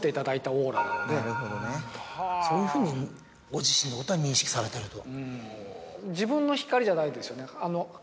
そういうふうにご自身のことは認識されてると。